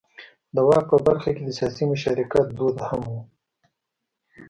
د واک په برخه کې د سیاسي مشارکت دود هم و.